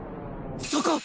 そこ！